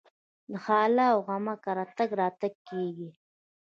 د خاله او عمه کره تګ راتګ کیږي.